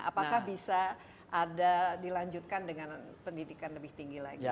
apakah bisa ada dilanjutkan dengan pendidikan lebih tinggi lagi